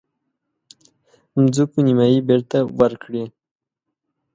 مځکو نیمايي بیرته ورکړي.